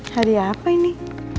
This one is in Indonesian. hadiah apa ini